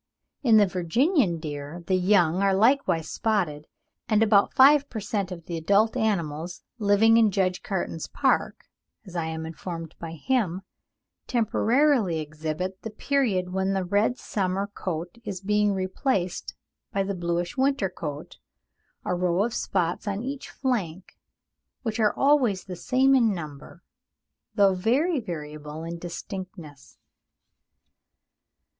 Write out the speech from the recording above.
In the Virginian deer the young are likewise spotted, and about five per cent. of the adult animals living in Judge Caton's park, as I am informed by him, temporarily exhibit at the period when the red summer coat is being replaced by the bluish winter coat, a row of spots on each flank, which are always the same in number, though very variable in distinctness.